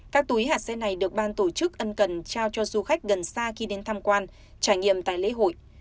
các túi hạt xe này được ban tổ chức ân cần trao cho du khách gần xa khi đến tham quan trải nghiệm tại lễ hội